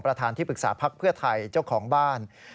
ประธานที่ปรึกษาภักดิ์เพื่อไทยเจ้าของบ้าน